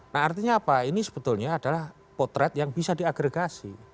nah artinya apa ini sebetulnya adalah potret yang bisa diagregasi